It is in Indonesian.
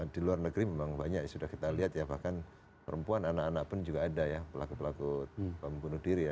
di luar negeri memang banyak sudah kita lihat ya bahkan perempuan anak anak pun juga ada ya pelaku pelaku pembunuh diri ya